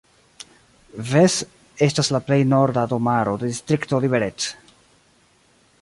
Ves estas la plej norda domaro de distrikto Liberec.